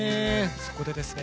そこでですね